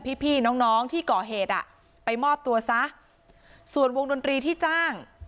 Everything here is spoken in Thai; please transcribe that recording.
พี่น้องน้องที่ก่อเหตุอ่ะไปมอบตัวซะส่วนวงดนตรีที่จ้าง